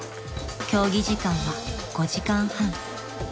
［競技時間は５時間半］